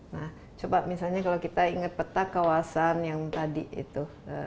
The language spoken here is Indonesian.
nah coba misalnya kalau kita ingat peta kawasan yang tadi itu